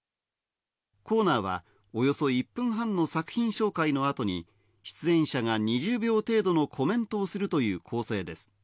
コーナーはおよそ１分半の作品紹介のあとに出演者が２０秒程度のコメントをするという構成です。